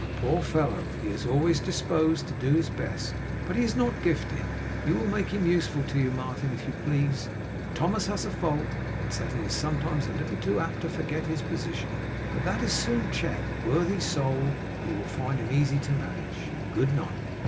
Poor fellow, he is always disposed to do his best; but he is not gifted. You will make him useful to you, Martin, if you please. If Thomas has a fault, it is that he is sometimes a little apt to forget his position. But that is soon checked. Worthy soul! You will find him easy to manage. Good night!